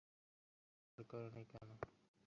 তাহলে, এটা ব্যবহার করোনি কেন?